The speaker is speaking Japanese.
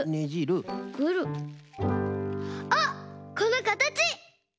あっこのかたち！